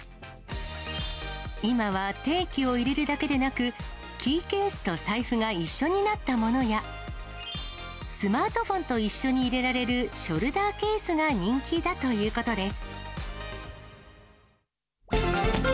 今は定期を入れるだけでなく、キーケースと財布が一緒になったものや、スマートフォンと一緒に入れられるショルダーケースが人気だということです。